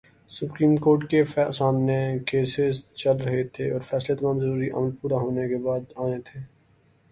Supreme court کے سامنے cases چل رہے تھے اور فیصلے تمام ضروری عمل پورا ہونے کے بعد آنے تھے۔